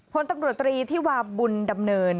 พลตำรวจตรีที่วาบุญดำเนิน